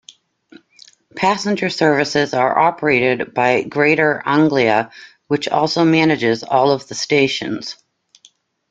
Passenger services are operated by Greater Anglia, which also manages all of the stations.